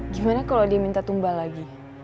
gimana kalau diminta tumbal lagi